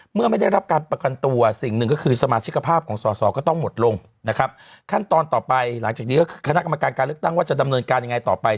เมื่อไม่ได้รับการประกันตัวสิ่งหนึ่งก็คือสมาชิกภาพของสอสอก็ต้องหมดลงนะครับขั้นตอนต่อไปหลังจากนี้ก็คือคณะกรรมการการเลือกตั้งว่าจะดำเนินการยังไงต่อไป